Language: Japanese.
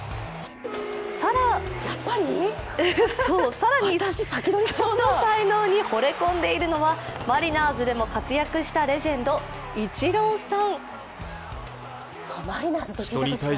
更にその才能にほれ込んでいるのは、マリナーズでも活躍したレジェンド・イチローさん。